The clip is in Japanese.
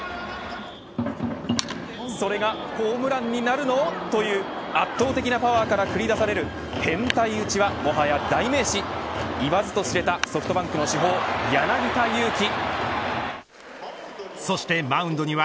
それがホームランになるのという圧倒的なパワーから繰り出される変態打ちはもはや代名詞言わずと知れたソフトバンクの主砲、柳田悠岐。